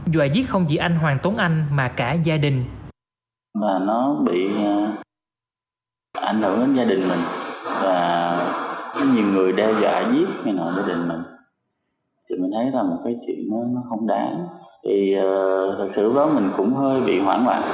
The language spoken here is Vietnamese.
dòi giết không chỉ anh hoàng tốn anh mà cả gia đình